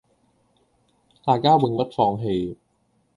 大家永不放棄